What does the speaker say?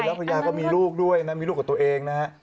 แล้วภรรยาก็มีลูกด้วยนะมีลูกกับตัวเองนะฮะ